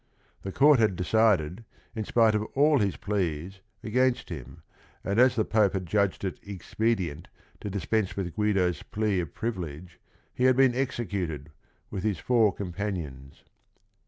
The court had de cided, in spite of all his pleas, against him, and as the Pope had judged it expedient to dispense with Guido's plea of privilege, he had been exe cuted, with his four companions.